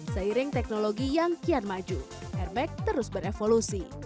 seiring teknologi yang kian maju airbag terus berevolusi